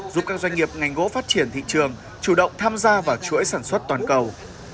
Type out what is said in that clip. giúp các doanh nghiệp ngành gỗ phát triển thị trường chủ động tham gia vào chuỗi sản xuất toàn cầu